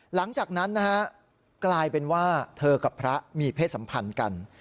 หลังจากนั้นนะฮะกลายเป็นว่าเธอกับพระมีเพศสัมพันธ์กัน